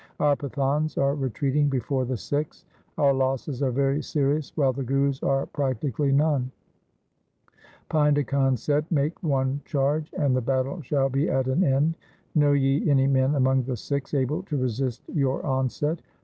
Our Pathans are retreating before the Sikhs. Our losses are very serious, while the Guru's are practically none.' Painda Khan said, ' Make one charge and the battle shall be at an end. Know ye any men among the Sikhs able to resist vour onset